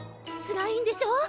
つらいんでしょ？